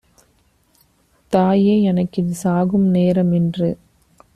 "தாயே எனக்கிது சாகும் நேரம்"என்று